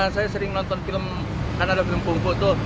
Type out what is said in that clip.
saya sering nonton film kan ada film pungguk tuh